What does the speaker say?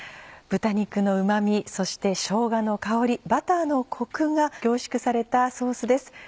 豚肉のうま味そしてしょうがの香りバターのコクが凝縮されたソースです。